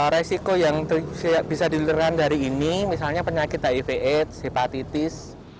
resiko yang bisa dilirikan dari ini misalnya penyakit hiv aids hepatitis